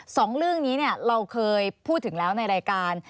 สองเรื่องนี้เราเคยพูดถึงแล้วในรายการ